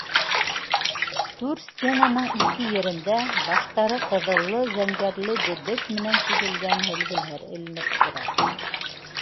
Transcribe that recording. Түр стенаның ике ерендә баштары ҡыҙыллы-зәңгәрле дебет менән сигелгән һөлгөләр эленеп тора.